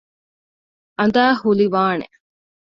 އަނދައި ހުލިވާނެ